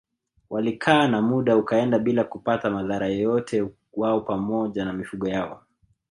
Walikaa na muda ukaenda bila kupata madhara yoyote wao pamoja na mifugo yao